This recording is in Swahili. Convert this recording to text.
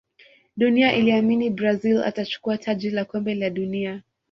dunia iliamini brazil atachukua taji la kombe la dunia